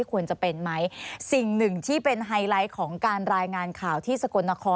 ของการรายงานข่าวที่สกลนคร